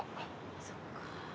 そっか。